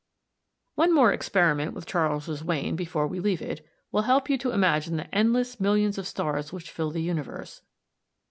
One more experiment with Charles's Wain, before we leave it, will help you to imagine the endless millions of stars which fill the universe.